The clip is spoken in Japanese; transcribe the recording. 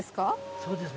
そうですね。